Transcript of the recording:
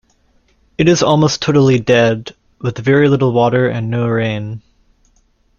It is almost totally dead, with very little water and no rain.